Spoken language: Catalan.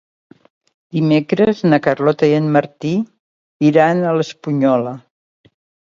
Dimecres na Carlota i en Martí iran a l'Espunyola.